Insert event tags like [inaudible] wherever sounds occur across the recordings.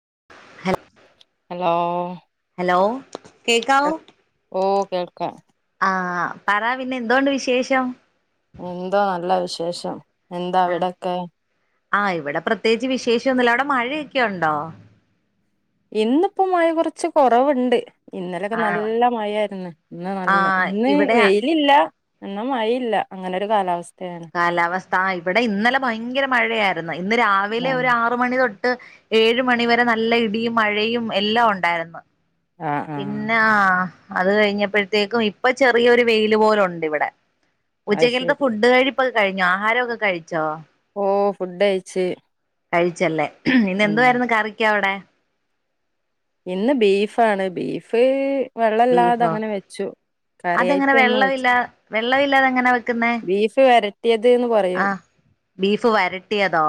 [unintelligible] Hello hello കേക്കാവോ. കേൾക്കാ. ആ പറ പിന്നെ എന്തോണ്ട് വിശേഷം. [unintelligible] എന്താവിടക്കെ. ആ ഇവിടെ പ്രത്യേകിച്ച് വിശേഷന്നുല്ല അവിടെ മഴയൊക്കെ ഉണ്ടോ. ഇന്നിപ്പോ മഴ കുറച്ച് കുറവിണ്ട്. ഇന്നലൊക്കെ ആഹ് നല്ല മഴായിരുന്നു, ഇന്ന് നല്ല ആഹ് ഇന്ന് ഇവിടെ വെയിലില്ല. എന്നാ മഴ ഇല്ല അങ്ങനെ ഒരു [unintelligible] കാലാവസ്ഥ ഇവിടെ ഇന്നലെ ഭയങ്കര മഴയായിരിന്ന് ഇന്ന് രാവിലെ ആഹ് ഒരു ആറ് മണി [unintelligible] ഏഴ് മണിവരെ നല്ല ഇടിയും മഴയും എല്ലാം ഉണ്ടായിര്ന്ന്. ആഹ് ആഹ് പിന്നെ ആ അത് കഴിഞ്ഞപ്പോഴത്തേക്കും ഇപ്പൊ ചെറിയൊരു വെയില് പോലുണ്ട് ഇവിടെ. അത് ഉച്ചക്കൽതെ ശരി ഫുഡ് കഴിപ്പ് കഴിഞ്ഞോ ആഹാരൊക്കെ കഴിച്ചോ. ഓ ഫുഡ് കഴിച്ച്. കഴിച്ചല്ലേ ഇന്ന് ഉം എന്തോവായിരുന്നു കറിക്ക് അവിടെ. ഇന്ന് ബീഫാണ് ബീഫ് വെള്ളല്ലാതെ ബീഫോ അങ്ങനെ വെച്ചു. അതെങ്ങനെ കറിയായിട്ട് ഒന്നും വെച്ച് വെള്ളവില്ലാ വെള്ളവില്ലാതെങ്ങനാ വെക്ക്ന്നെ ബീഫ് വരട്ടിയത് ന്ന് പറയും ആ. ബീഫ് വരട്ടിയതോ.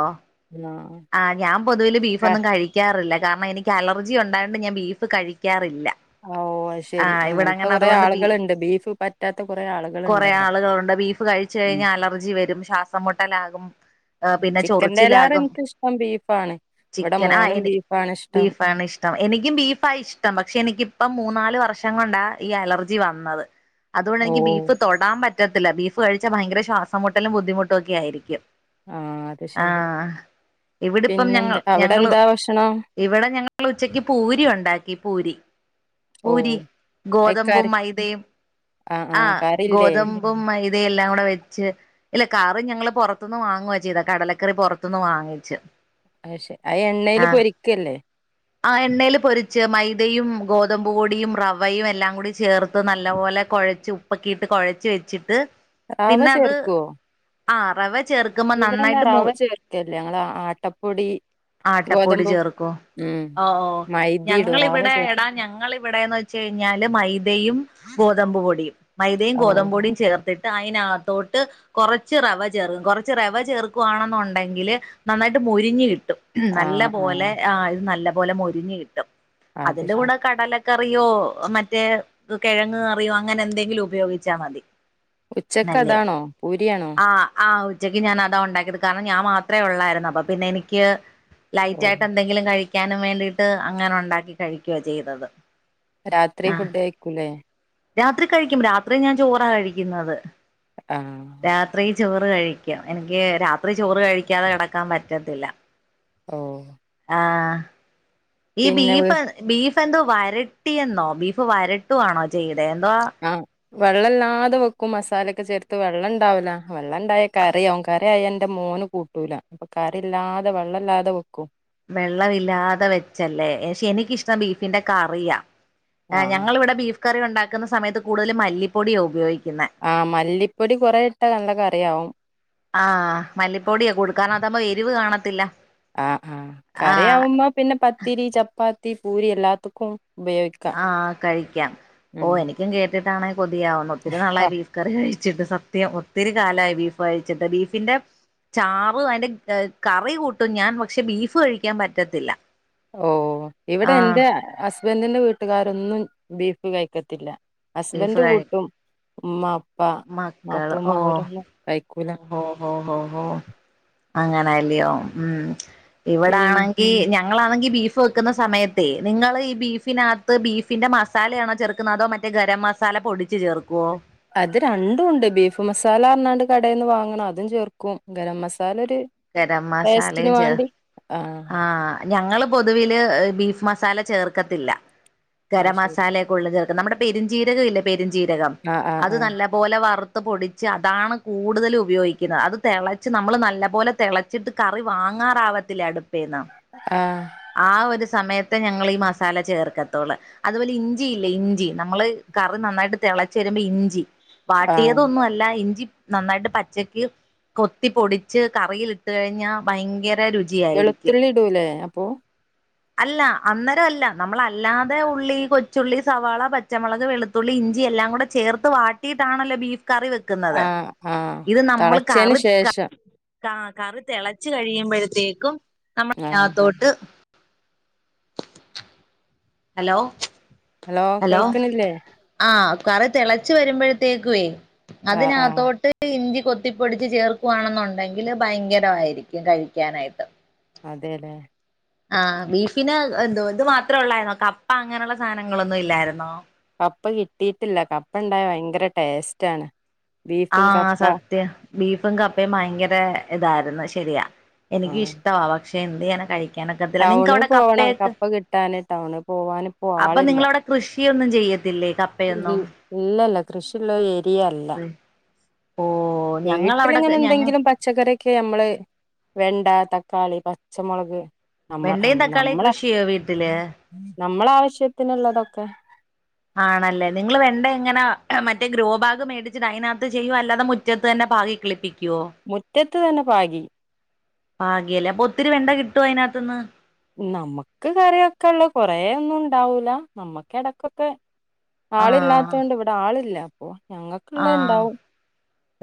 ആഹ് ആ ഞാൻ പൊതുവില് ബീഫൊന്നും കഴിക്കാറില്ല കാരണം എനിക്ക് അലർജി ഉണ്ടായണ്ട് ഞാൻ ബീഫ് [unintelligible] [unintelligible] ഓ ശെരി ആഹ് ഇവിടെ അങ്ങനത്തെ അങ്ങനെ കുറേ അതുകൊണ്ട് ബീ ആള്കളിണ്ട് ബീഫ് പറ്റാത്ത കുറെ ആള്കളിണ്ടല്ലോ. [unintelligible] കഴിച്ച്കഴിഞ്ഞാ അലർജി വരും ശ്വാസമുട്ടലാകും. ചിക്കന്റെ [unintelligible] എനക്ക്ഷ്ട്ടം ബീഫാണ്. ഇവിടെ ചിക്കൻ ആ മോനും എനി ബീഫാണ് ഇഷ്ടം. ബീഫാണ് ഇഷ്ട്ടം എനിക്കും ബീഫാ ഇഷ്ട്ടം പക്ഷെ എനിക്കിപ്പം. മൂന്നാല് വർഷം കൊണ്ടാ ഈ അലർജി വന്നത്. അതുകൊണ്ട് ഓ എനിക്ക് ബീഫ് തൊടാൻ പ പറ്റത്തില്ല, ബീഫ് കഴിച്ചാ ഭയങ്കര ശ്വാസമുട്ടലും ബുദ്ധിമുട്ടുമൊക്കെ ആയിരിക്കും ആഹ് അത് ശെരി. ആഹ് ഇവിടിപ്പം ഞങ്ങൾ ഞങ്ങള്, ഇവിടെ ഞങ്ങള് ഉച്ചക്ക് പൂരി ഒണ്ടാക്കി പൂ പൂരി ഓ പൂരി ഗോതമ്പും അയ്ക്കറി മൈദയും, ആഹ് ഗോതമ്പും മൈ ഇത് എല്ലാം കൂടെ വെച്ച്, ഇല്ല കറി ഞങ്ങള് പൊറത്ത്ന്ന് വാങ്ങുവാ ചെയ്തെ കടലക്കറി പൊറത്ത്ന്ന് വാങ്ങിച്ച്. അത് ശരി. അത് [inaudible] എണ്ണേല് ആഹ്, പൊരിക്കല്ലേ? ആഹ് എണ്ണേല് പൊരിച്ച് മൈദയും ഗോതമ്പ് പൊടിയും റവയും എല്ലാം കൂടി ചേർത്ത് നല്ലപോലെ കൊഴച്ച് ഉപ്പക്കിട്ട് കൊഴച്ച് വെച്ചിട്ട് റവ പിന്നെ അത് ചേർക്കോ ആഹ് റവ ചേർക്കുമ്പോ ഇവിടെന്നാ റവ ചേർക്കേല ഞങ്ങള് ആട്ട ആട്ടപ്പൊടി ചേർക്കോ ഉം ഓ ഓ മൈദയിടും റവ ഞങ്ങളിവിടെ ചേർക്ക എടാ ഞങ്ങളിവിടെന്ന് വെച്ച് കഴിഞ്ഞാല് മൈദയും ഗോതമ്പ് പൊടി, മൈദയും ഓ ഗോതമ്പൊടിയും ചേർത്തി അയിനാത്തോട്ട് കൊറച്ച് റവ ചേർ കൊറച്ച് റവ ചേർക്കുവാണെന്നൊണ്ടെങ്കില് നന്നായിട്ട് എന്നിട്ട് മൊറിഞ്ഞ് കിട്ടും. ഹ്മ്മ് നല്ല പോലെ, ആഹ് ഇത് നല്ല പോലെ മൊരിഞ്ഞ് കിട്ടും. അത് അതിന്റെ ശരി. കൂടെ കടല കറിയോ മറ്റേ കിഴങ് കറിയോ അങ്ങനെ എന്തെങ്കിലും ഉപയോഗിച്ചാ മതി. ഉച്ചക്ക് നല്ലെയാ, അതാണോ പൂരിയാണോ? ആഹ് ആഹ് ഉച്ചക്ക് ഞാൻ അതാ ഉണ്ടാക്കിയത്. കാരണം ഞാൻ മാത്രെ ഒള്ളായിരുന്നു അപ്പം പിന്നെ എനിക്ക് ഓ ലൈറ്റായിട്ട് എന്തെങ്കിലും കഴി ഴിക്കാനും വേണ്ടിട്ട് അങ്ങനെ ഒണ്ടാക്കി കഴിക്കുവാ ചെയ്തത്. രാത്രി ആഹ് ഫുഡ് കയ്ക്കൂലെ? രാത്രി കഴിക്കും, രാത്രി ഞാൻ ചോറാ കഴിക്കുന്നത്. ആ രാത്രി ചോറ് കഴിക്കും എനിക്ക് രാത്രി ചോറ് കഴിക്കാതെ കെടക്കാൻ പറ്റത്തില്ല. ഓഹ് ആഹ ഈ ബീഫ് ബീഫ് എന്തോ വരട്ടിയെന്നോ ബീഫ് വരട്ടുവാണോ ചെയ്തെ എന്തുവാ ആഹ് വെള്ളല്ലാതെ വെക്കും മസാലൊക്കെ ചേർത്ത് വെള്ളം ഇണ്ടാവൂല, വെള്ളം ഇണ്ടായാൽ കറിയാവും കറി ആയ ഇന്റെ മോന് കൂട്ടൂല, അപ്പം കറില്ലാതെ വെള്ളല്ലാതെ വെക്കും. വെള്ളമില്ലാതെ വെച്ചല്ലേ. പക്ഷെ എനിക്കിഷ്ടം ബീഫിന്റെ കറിയാ ആ ആഹ് ഞങ്ങള് ഇവ്ടെ ബീഫ് കറി ഒണ്ടാക്ക്ന്ന സമയത്ത് കൂടുതലും മല്ലിപ്പൊടിയോ ഉപയോഗ ആഹ് മല്ലിപ്പൊടി കുറെ ഇട്ടാ നല്ല കറിയാവും ആഹ് മല്ലിപ്പൊടിയെ കൊടുക്കാനവതബം എരിവ് കാണത്തില്ല. ആഹ് ആഹ് കറിയാവുമ്പ പിന്നെ പത്തിരി ചപ്പാത്തി പൂരി എല്ലാത്ത്ക്കും ആഹ കഴിക്കാം ഉം ഓ എനിക്കും കേട്ടിട്ടാണെ കൊതിയാവുന്നു ഒത്തിരി ഹ, നളായി ബീഫ് കറി കയി കഴിച്ചിട്ട്, സത്യം ഒത്തിരി കാലായി ബീഫഴിച്ചിട്ട് ബീഫിന്റെ ചാറ് അതിന്റെ കറി കൂട്ടും ഞാ പക്ഷെ ബീഫ് കഴിക്കാ പറ്റത്തില്ല. ഓ ഇവിടെ ആഹ് എൻറെ ഹസ്ബന്റി ന്റെ വീട്ടുകാരൊന്നും ബീഫ് കയിക്കത്തില്ല. ബീഫ് ഹസ്ബന്റ് കഴി കൂട്ടും. ഉമ്മ പ്പാ മക്കള് ഓ ന്നാത്തൂമ്മ ഓരൊന്നും കൈക്കൂല. [inaudible] അങ്ങനല്ല്യോ, ഹ്മ്മ് പിന്നെ ഇവടാണങ്കി ഞ ഞങ്ങളാണെങ്കി ബീഫ് വെക്ക്ണ സമയത്തെ നിങ്ങള് ഈ ബീഫിനകത്ത് ബീഫിന്റെ മസാലയാണോ ചേർക്കുന്നെ അതോ മ പിന്നെ ഗരം മസാല പൊടിച്ച് ചേർക്കോ? അത് രണ്ടുംണ്ട്, ബീഫ് മസാലാന്നറഞ്ഞാണ്ട് കടെന്ന് വാങ്ങ്ണ അതും ചേർക്കും ഗരം മസാല ഗരം ടേസ്റ്റ്‌ന് മസാലയും ചേർ വാണ്ടി ആഹ്, ഞങ്ങള് പൊതുവില് ബീഫ് മസാല ചേർക്കത്തില്ല. അത് ഗരം ശരി മസാലെക്കെ ഒള്ളത് ചേർക്കും. നമ്മുടെ പെരുംജീരകമില്ലേ പെരുംജീരകം ആഹ് ആഹ് അത് ആഹ് നല്ല പോലെ വർ ത്പൊടിച്ച് അതാണ് കൂടുതൽ ഉപയോഗിക്കുകഅത് തിളച്ച് നമ്മൾ നല്ല പോലെ തിളച്ചിട്ട് കറി വാങ്ങി ങ്ങാറാവത്തില അടുപ്പേന്ന് ആഹ് ആ ഒരു സമയത്ത് ഞങ്ങൾ ഈ മസാല ചേർക്കത്തുള്ളൂ അതുപോലെ ഇഞ്ചി ഇല്ലേ ഇഞ്ചി നമ്മള് കറി നന്നായിട്ട് തിളച്ചരു ഇഞ്ചി ആഹ് വാട്ടിയതൊന്നും അല്ല ഇഞ്ചി നന്നായിട്ട് പച്ചക്ക് കൊത്തി പൊടിച്ച് കറീൽ ഇട്ട കഴിഞ്ഞാ ഭയങ്കര ല്ലരുചിയായിരിക്കും തുള്ളിടുല്ലേ അപ്പൊ അല്ല അന്നേരം അല്ല നമ്മള അല്ലാതെ ഉള്ളി കൊച്ചുള്ളി സവാള പച്ചമുളക് വെളുത്തുള്ളി ഇ ഇഞ്ചി എല്ലാം കൂടെ ചേർത്ത് വാട്ടിയിട്ടാതാണല്ലോ ബീഫ് കറി വെക്കുന്നത് ആഹ് ആഹ് ഇത് നമ്മൾ തളച്ചേന് കറി ക ശേഷം കാ കറി തിളച്ചു കഴിയുമ്പോഴത്തേക്കും നമ്മൾ ആഹ് അതിനകത്തോട്ട് ഹലോ ഹലോ കേൾക്ക്ണില്ലേ ആഹ് കറി തിളച്ചു വരുമ്പോഴത്തേക്കുവേ ആഹ് ആഹ് അതിനകത്തോട്ട് ഇഞ്ചി ഇ കൊത്തിപ്പൊടിച്ച് ചേർക്കുവാണെന്നുണ്ടെങ്കില് ഭയങ്കരമായിരിക്കും കഴിക്കാനായിട്ട് അതെ ല്ലേ ആ ബീഫിന് എന്തോ ഇതു മാത്രേ ഉള്ളായിരുന്നോ കപ്പ അങ്ങനുള്ള സാധനങ്ങളൊന്നും ഇല്ലായിരുന്നോ കപ്പ കിട്ടിയിട്ടില്ല കപ്പ ഇണ്ടായ ഭയങ്കര ടേസ്റ്റ് ആണ് ആ ബീഫും കപ്പ സത്യം ബീഫും കപ്പയും ഭയങ്കര ഇതായിരുന്നു ശരിയാ എനക്ക് ആഹ് ഇഷ്ടമാ പക്ഷെ എന്ത്യ്യാനാ കഴിക്ക [unintelligible] കിക്കാനൊക്കത്തില്ല നിങ്ങക്ക് ടൗണിൽ അവിടെ പോവണം കപ്പയൊക്കെ കപ്പ കിട്ടാന് ടൗണിൽ പോവാനിപ്പോ അപ്പൊ നിങ്ങളവിടെ കൃഷി കിയ ഒന്നും ചെയ്യത്തില്ലേ ഇ കപ്പയൊന്നും ഇല്ലല്ല കൃഷിയുള്ള ഏരിയ അല്ല ഓഹ് ഞങ്ങളവിടെ വീട്ടിലിങ്ങനെ ഞങ്ങ എന്തെങ്കിലും പച്ചക്കറിയൊക്കെ നമ്മള് വെണ്ട ത തക്കാളി പച്ചമുളക് നമ്മ വെണ്ടയും തക്കാളിയും നമ്മളെ കൃഷി ചെയ്യോ വീട്ടില് നമ്മള ആവശ്യത്തിനുള്ളതൊക്കെ ആണല്ലേ നിങ്ങൾ വെണ്ട എങ്ങനെ മറ്റേ ഗ്രോബാഗ് മേടിച്ചിട്ട് അതിനകത്ത് ചെയ്യും അല്ലാതെ മുറ്റത്ത് തന്നെ പാകി കളിപ്പിക്കുവോ മുറ്റത്ത് തന്നെ പാകി പാഗ്യല്ലേ ഒത്തിരി വെണ്ട കിട്ട ട്ടു അതിനകത്തുന്ന് നമ്മുക്ക് കറി വെക്കാനുള്ളത് കൊറേ ഒന്നും ഉണ്ടാവൂല നമ്മക്ക് ഇടക്കൊക്കെ ആഹ് ആളില്ലാത്തോണ്ട് ഇവിടെ ആളില്ല അപ്പൊ ഞങ്ങൾക്ക്ള്ളത്ഇണ്ടാവും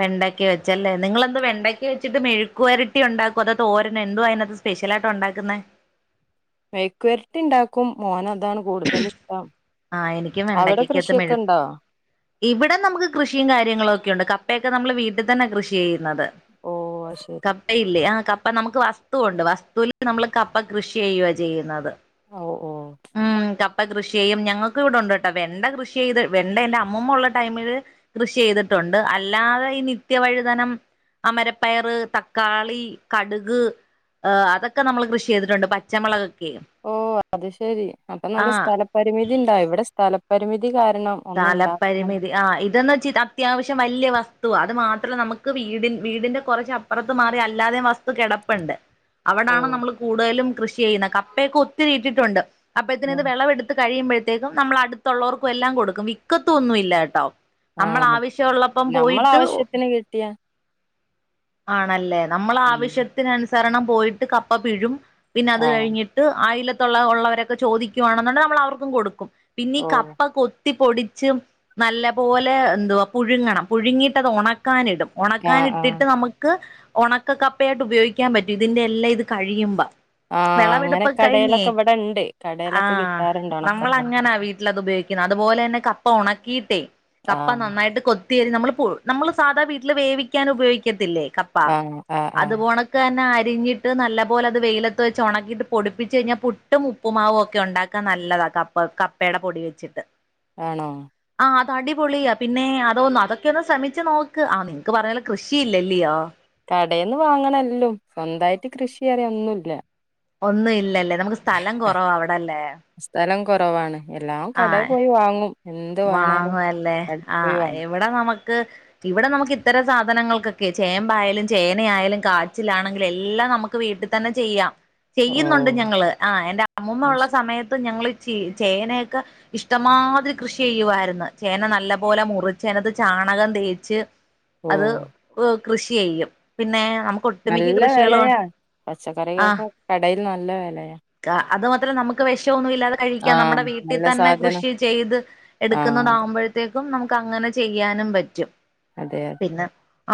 വെണ്ടക്കെ വെച്ചല്ലേ നിങ്ങളെന്താ വെണ്ടക്ക വെച്ചിട്ട് മെഴുക്കുവരട്ടി ഉണ്ടാക്കോ അതോ തോരനോ എന്താ അതിനകത്ത് സ്പെഷ്യലായിട്ട് ഉണ്ടാക്കുന്നെ മെഴുക്കുരട്ടി ഉണ്ടാക്കും മോന ഇതാണ് കൂടുതൽ ഇഷ്ടം ആഹ് എനിക്കും അവിടെ വെണ്ടയ്ക്കക്കകത്ത് മെഴുക്ക് കൃഷിയൊക്കെണ്ടോ ഇവിടെ നമുക്ക് കൃഷിയും കാര്യങ്ങളും ഒക്കെ ഉണ്ട് ക കപ്പയൊക്കെ നമ്മള് വീട്ടിൽ തന്നെ കൃഷി ചെയ്യുന്നത് ഓ ശരി കപ്പയില്ലേ ആ ക അപ്പൊ നമുക്ക് വസ്തുവുണ്ട് വസ്തുവിൽ നമ്മൾ കപ്പ കൃഷി ചെയ്യുവ ചെയ്യുന്നത് ഒ ഓ ഉം കപ്പ കൃഷി ചെയ്യും ഞങ്ങൾക്ക് ഇവിടെണ്ട് ട്ടോ വെണ്ട കൃഷി ചെയ്ത് വെണ്ട എൻ്റെ അമ്മൂമ്മ ഉള്ള ടൈമില് കൃഷി ചെയ്ത്ട്ടുണ്ട് അല്ലാതെ ഈ നിത്യവഴുതനം അമരപ്പയറ് തക്കാളി കട്ക് ആ അതൊക്ക നമ്മൾ കൃഷി ചെയ്തിട്ടുണ്ട് പച്ചമളക് ഓ അത് ശെരി അപ്പൊ നല്ല ആഹ് സ്ഥലപരിമിതി ഇണ്ടായോ ഇവിടെ സ്ഥലപരിമിതി കാരണം ഒന്നും ഉണ്ടാക്കാൻ തലപരിമിതി ആ ഇതൊന്ന് ച്ചത് അത്യാവിശ്യം വലൃയ വസ്തുവ അത് മാത്രം നമുക്ക് വീടി വീടിന്റെ കുറച്ച് അപ്പുറത്ത് മാറി അല്ലാതെ വസ് തു കിടപ്പുണ്ട് ഓ അവിടാണ് നമ്മൾ കൂടുതലും കൃഷി ചെയ്യുന്നത് കപ്പയൊക്കെ ഒത്തിരിട്ടിട്ടുണ്ട് അപ്പോത്തിന് ഇത് വിളവെടുത്ത് കഴിയുമ്പോഴത്തേക്കും നമ്മൾ അടുത്തുള്ളവർക്കും എല്ലാം കൊടുക്കും വിക്കത്തൊന്നും ഇല്ലാ ട്ടോ ആ നമ്മള ആവശ്യംള്ളപ്പം നമ്മള പോയിട്ട് ആവശ്യത്തിന് കിട്ടിയാ ആണല്ലേ നമ്മൾ ഉം ആവശ്യത്തിന് അനുസരണം പോയിട്ട് കപ്പ പിഴും പിന്നെ അത് ആ കഴിഞ്ഞിട്ട് അയിലത്തൊള്ള ഒള്ളവരൊക്കെ ചോദിക്കുവാണന്നൊണ്ടെങ്കി നമ്മള് അവർക്കും കൊടുക്കും പിന്നീ ഓ കപ്പ കൊ ത്തി പൊടിച്ചും നല്ല പോലെ എന്തുവാ പുഴുങ്ങണം പുഴുങ്ങിട്ടത് ഒണക്കാനിടും ആ ഒണക്കാൻ ആ ഇട്ടിട്ട് നമുക്ക് ഒണക്കക്കപ്പയായിട്ട് ഉപയോഗിക്കാൻ പറ്റും ഇതിന്റെ എല്ലാം ഇത് കഴിയിമ്പം ആ അങ്ങനെ വെളവെടുപ്പ് കയിഞ്ഞേ കടയിലൊക്കെ ഇവിടെ ഇണ്ട് ആ കടയിലൊക്കെ കിട്ടാറുണ്ട് നമ്മള് ഉണക്കക്കപ്പ അങ്ങനാ വീട്ടിലത് ഉപയോ യ്ക്കുന്ന അതുപോലെന്നെ കപ്പ ഒണക്കിട്ടേ ആ കപ്പ നന്നായിട്ട് കൊ [unintelligible] നമ്മള് പു നമ്മള് സാധാ വീട്ടില് വേവിക്കാൻ ഉപയോഗിക്കത്തില്ലേ കപ്പ ആ ആ ആ അത് പോണക്കന്നെ അ അരിഞ്ഞിട്ട് നല്ലപോലെ അത് വെയിലത്ത് വെച്ച് ഒണക്കിയിട്ട് പൊടിപ്പിച്ച് കയിഞ്ഞാ പുട്ടും ഉപ്പുമാവും ഒക്കെ ഒണ്ടാക്കാൻ നല്ലതാ കപ്പ കപ്പെടെ പൊടി വെച്ചിട്ട് ആണോ? അത് അടിപൊളിയാ. പിന്നേ അതോന്ന്, അതൊക്കെ ഒന്ന് ശ്രമിച്ചു നോക്ക്. ആ നിങ്ങക്ക് പറഞ്ഞത് പോലെ കൃഷിയില്ലല്ലിയോ കടേന്ന് വാങ്ങണല്ലല്ലോ സ്വന്തവായിട്ട് കൃഷി അറിയ ഒന്നുല്ല ഒന്നും ഇല്ലല്ലേ, നമ്മുക്ക് സ്ഥലം കൊറവാ, അവിടല്ലേ? കൊറവാണ് എല്ലാം കടെ ആഹ് പോയി വാങ്ങും എന്ത് വേണേലും വാങ്ങുവല്ലേ കടേ ആ പോയി വാങ്ങും ഇവടെ നമു [unintelligible] ഇവടെ നമുക്ക് ഇത്തരം സാധനങ്ങൾക്കൊക്കെ ചേമ്പായാലും ചേനയായാലും കാച്ചിലാണെങ്കില് എല്ലാം നമ്മക്ക് വീട്ടിൽ തന്നെ ചെയ്യാം. ഓ ചെയ്യുന്നുണ്ട് ഞങ്ങള്. ആ എന്റെ അമ്മൂമ്മ അത് ഒള്ള ശ- സമയത്ത് ഞങ്ങള് [unintelligible] ചേനെക്കെ ഇഷ്ടമാതിരി കൃഷി ചെയ്യുവാര്ന്ന് ചേന നല്ല പോലെ മുറിച്ച് അയിനാത്ത് ചാണകം തേച്ച് അത് ഓ കൃഷി ചെയ്യും പിന്നെ നമുക്ക് ഒട്ടുമിക്ക നല്ല കൃഷികളും വെലയാ ആ പച്ചക്കറിക്കൊക്കെ കടയില് നല്ല വെലയാ അത് മാത്രല്ല നമുക്ക് വെഷൊന്നു ഇല്ലാതെ കഴിക്കാം ആഹ്. നമ്മടെ നല്ല വീട്ടിതന്നെ സാധനം കൃഷി ചെയ്ത് ആഹ് അതെ എടുക്കുന്നതാമ്പഴത്തേക്കും നമുക്ക് അങ്ങനെ ചെയ്യാനും പറ്റും അതെ അത്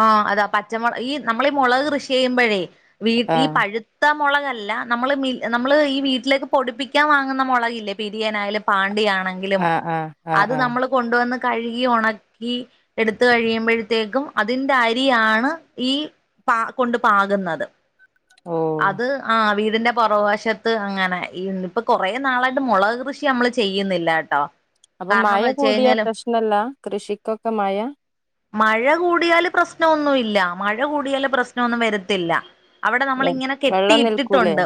ആ അതാ പച്ചമൊള ഈ നമ്മള് മൊളക് കൃഷി ചെയ്യുമ്പഴേ വീട്ടീ ആഹ്. പഴുത്ത മൊളകല്ല നമ്മള് മീ നമ്മള് ഈ വീട്ടിലേക്ക് പൊടിപ്പിക്കാൻ വാങ്ങുന്ന മൊളകില്ലേ പെരിയനായാലും പാണ്ടിയാ ആ ആ അത് നമ്മള് കൊണ്ട് വന്ന് കഴുകി ഒണക്കി എടുത്ത് കഴിയുമ്പഴത്തേക്കും അതിന്റെ അരിയാണ് ഈ പാ കൊണ്ട് പാക്ന്നത് ഓഹ് അത് ആ വീ ഇതിന്റെ പൊറവശത്ത് അങ്ങനെ ഈന് ഇപ്പൊ കൊറേ നാളായിട്ട് മൊളക് കൃഷി നമ്മള് ചെയ്യുന്നില്ലട്ടോ അപ്പം മയ കൂടിയാ പ്രശ്നല്ല കൃഷിക്കൊക്കെ മയ മഴ കൂടിയാല് പ്രശ്നവൊന്നും ഇല്ല മഴ കൂടിയാല് പ്രശ്നവൊന്നും വെരിത്തില്ല അവടെ വെ നമ്മളിങ്ങനെ വെള്ളം നിൽക്കൂലേ കെട്ടിയിട്ടിട്ടൊണ്ട്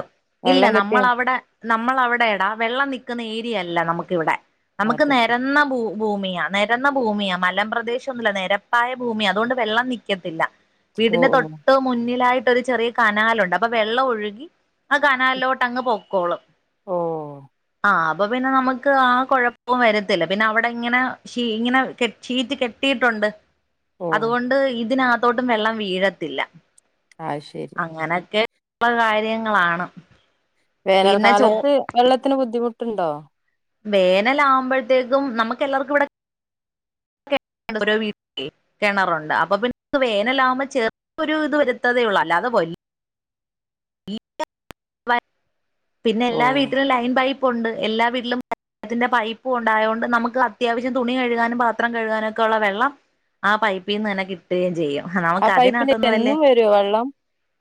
ഇല്ല വെള്ളം കെട്ടി നമ്മള് നി അവടെ നമ്മളവടെടാ വെള്ളം നിക്കുന്ന ഏ തിയല്ല നമ്ക്ക് ഇവടെ നമ്ക്ക് അത് നെരന്ന ഭൂ ഭൂമിയാനെരന്ന ഭൂമിയാ മലമ്പ്രേദേശൊന്നുല്ല നെരപ്പായ ഭൂമിയാ അതൊണ്ട് വെള്ളം നിക്കത്തില്ല വീടിന്റെ ഓഹ് ഓഹ്. തൊട്ട് മുന്നിലായി ട്ട് ഒരു ചെറിയ കനാലൊണ്ട് അപ്പം വെള്ളം ഒഴുകി ആ കനാലോട്ട് അങ്ങ് പൊക്കോളും ഓ ആ അപ്പം പിന്നെ നമ്ക്ക് ആ കൊഴ [unintelligible] വരത്തില്ല. പിന്നെ അവിടെ ഇങ്ങനെ ഷീ, ഇങ്ങനെ ഷീറ്റ് കെട്ടിയിട്ടുണ്ട് ഓഹ് അതുകൊണ്ട് ഇതിനകത്തോട്ടും വെള്ളം വീഴത്തില്ല. അത് ശരി. അങ്ങനൊക്കെ [unintelligible] ള്ള കാര്യങ്ങളാണ്. പിന്നെ ചോ വേനൽക്കാലത്ത് വെള്ളത്തിന് ബുദ്ധിമുട്ടുണ്ടോ? വേനലാമ്പഴത്തേക്കും നമ്മക്ക് എല്ലാർക്കും ഇവടെ ഓരോ വീട്ടിലും കെണറൊണ്ട് അപ്പൊ പിന്നെ വേനലാമ്പം ചെറി ഒരു ഇത് വരുത്തതേ ഒള്ള് അല്ലാ അത് [unintelligible] [unintelligible] [unintelligible] [unintelligible] പിന്നെ എല്ലാ ഓഹ് വീട്ടിലും ലൈൻ പൈപ്പുണ്ട്. എല്ലാ വീട്ടിലും വള്ളത്തിന്റെ പൈപ്പുംണ്ടായത് കൊണ്ട് നമുക്ക് അത്യാവശ്യം തുണി കഴുകാനും പാത്രം കഴുകാനും ഒക്കെ ഉള്ള വെള്ളം ആ പൈപ്പിൽ നിന്ന് തന്നെ കിട്ടുകയും ചെയ്യും ആ നമുക്ക് പൈപ്പില് അതിനകത്തൊന്നും അല്ലേ എന്നും വരോ വെള്ളം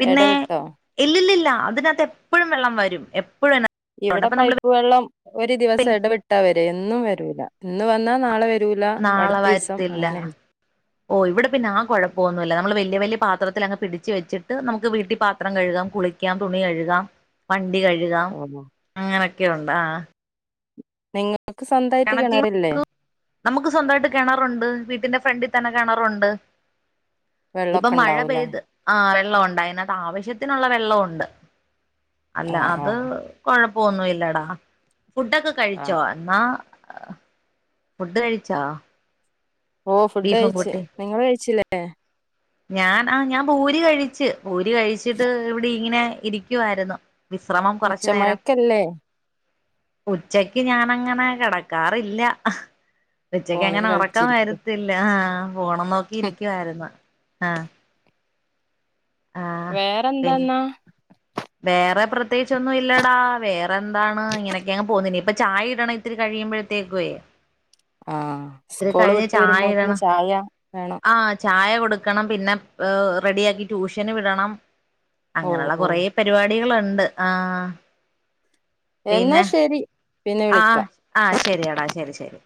പിന്നെ എടവിട്ടോ? ഇല്ലില്ല അതിനകത്ത് എപ്പോഴും വെള്ളം വരും എപ്പോഴും അതിനകത്തുണ്ട് ഇവിടെ അപ്പൊ നമ്മള് പൈപ്പ് വെള്ളം ഒരു ദിവസം ഇടവിട്ടാ വര് എന്നും വരൂല ഇന്ന് വന്നാ നാളെ വരൂല നാളെ പടുത്ത ദിവസം വരത്തില്ല അങ്ങനെയ ഓ ഇവിടെ പിന്നെ ആ കുഴപ്പമൊന്നുമ നമ്മള് വെ വലിയ വലിയ പാത്രത്തിൽ അങ്ങ് പിടിച്ച് വെച്ചിട്ട് നമുക്ക് വീട്ടിൽ പാത്രം കഴുകാം കുളിക്കാം തുണി കഴുകാംണ്ട വണ്ട കഴുകാം ഓഹ് അങ്ങനൊക്കെ ഉണ്ടാ നിങ്ങ കിണറ്റ നമുക്ക് സ്വന്തമായിട്ട് കിണറുണ്ട് വീട്ടിന്റെ ഫ്രണ്ട് തന്നെ കിണറുണ്ട് ഇപ്പൊ വെള്ളമൊക്കെ മഴ ഉണ്ടാവൂലേ പെയ്ത് ആ അതിനത്ത് ആവശ്യത്തിനുള്ള വെള്ള ഉണ്ട് അല്ല ആഹ് അത്ഴ ആഹ് പോന്നല്ലടാ ഫുഡൊക്കെ കഴിച്ചോ ആഹ് എന്നാ ഫുഡ് കഴിച്ചാ ഓ ഫുഡ് കഴച്ച് നിങ്ങള് കഴിച്ചില്ലേ ഞാൻ ആ ഞാൻ പൂരി കഴിച്ചു പൂരി കഴിച്ചിട്ട് ഇവിടെ ഇങ്ങനെ ഇരിക്കുവായിരുന്നു വിശ്രമം കുറച്ച നേരം ഉച്ചമയക്കല്ലേ ഉച്ചക്ക് ഞാനങ്ങനെ കിടക്കാറില്ല ഉച്ചക്ക് ഫോണിൽ അങ്ങനെ ഉറക്കൻ കളിച്ചിരിക്ക വരത്തില്ല ആ ഫോൺ നോക്കിയിരിക്കുകയായിരുന്നു ആ ആ പിന്നെ വേറെന്താന്നാ വേറെ പ്ര പ്രത്യേകിച്ചൊന്നും ഇല്ലടാ വേറെ എന്താണ് ഇങ്ങനൊക്കെയ അങ്ങ് പോകുന്നത് ഇനി ഇപ്പൊ ചായ ഇടണം ഇത്തിരി കഴിയുമ്പോഴത്തേക്കേ ആഹ് ഇത്ര സ്കൂള് കഴിഞ്ഞ് വിട്ട് ചായ വരുമ്പോത്തിന് ഇടണം ചായ വേണം ആ ചായ കൊടുക്ക പിന്നെ റെഡിയാക്കി ട്യൂഷൻ വിടണം ഓഹ് അങ്ങനുള്ള കുറ ഓഹ് പരിപാടികൾ ഉണ്ട് ഉണ്ട് ആ എന്നാ ശരി പിന്നെ ആ വിളിക്കാം ആ ശരിയടാ ശരി ശരി